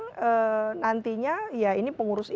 dan memang nantinya ya ini pengurus ini